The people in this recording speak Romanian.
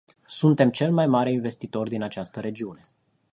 Suntem cel mai mare investitor din această regiune.